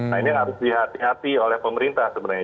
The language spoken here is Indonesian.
nah ini yang harus dihati hati oleh pemerintah sebenarnya